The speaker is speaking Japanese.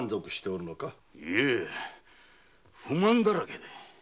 いいえ不満だらけで。